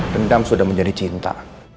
dendam sudah menjadi cinta